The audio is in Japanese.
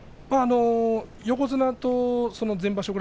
横綱と前場所